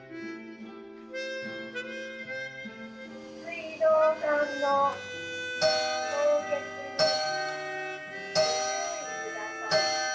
・「水道管の凍結にご注意下さい」。